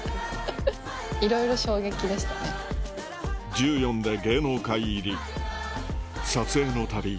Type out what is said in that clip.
１４歳で芸能界入り撮影のたび